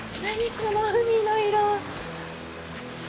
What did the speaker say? この海の色。